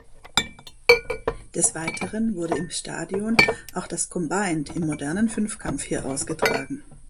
Des Weiteren wurde im Stadion auch das Combined im Modernen Fünfkampf hier ausgetragen.